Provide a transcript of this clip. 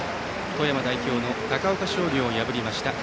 富山代表の高岡商業を破りました。